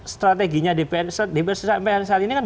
strateginya dpr sampai saat ini kan